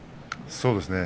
そうですね。